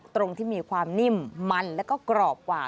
ตรงที่มีความนิ่มมันแล้วก็กรอบกว่า